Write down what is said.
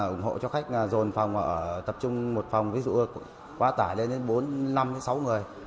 ủng hộ cho khách dồn phòng tập trung một phòng ví dụ quá tải lên đến bốn năm sáu người